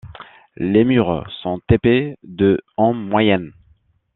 Les murs sont épais de en moyenne.